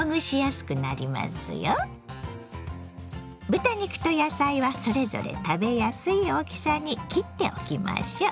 豚肉と野菜はそれぞれ食べやすい大きさに切っておきましょう。